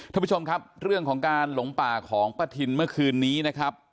ท่านผู้ชมครับเรื่องของการหลงป่าของป้าทินเมื่อคืนนี้นะครับ